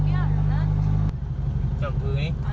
นี่ค่ะโทรศัพท์ที่ถ่ายคลิปสุดท้าย